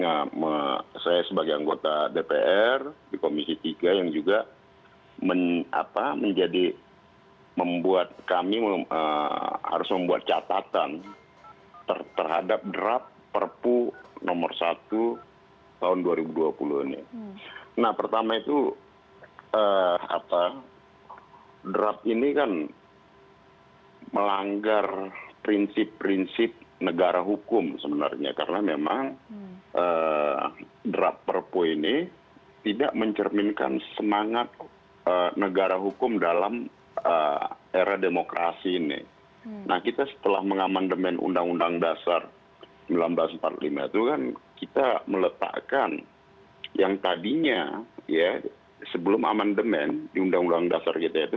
yang tadinya sebelum amandemen di undang undang dasar kita itu